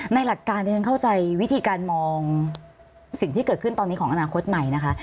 หลักการที่ฉันเข้าใจวิธีการมองสิ่งที่เกิดขึ้นตอนนี้ของอนาคตใหม่นะคะ